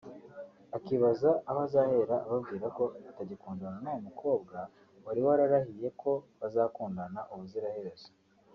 akibaza aho azahera ababwira ko atagikundana n'uwo mukobwa wari wararahiye ko bazakundana ubuziraherezo